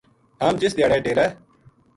ہم جس دھیاڑے ڈیرا